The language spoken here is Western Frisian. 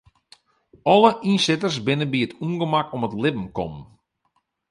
Alle ynsitters binne by it ûngemak om it libben kommen.